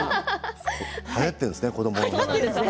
はやっているんですね子どもに。